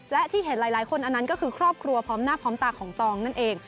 และที่เห็นหลายคนอันนั้นก็คือครอบครัวพร้อมหน้าพร้อมตาของตองนั่นเอง